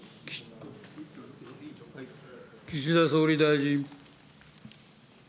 岸田総理大臣。